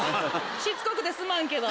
しつこくてすまんけど。